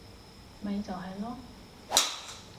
咪就係囉